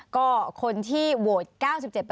ก็คนที่ร่วมบวชมา๓๘๑๘คนนะคะ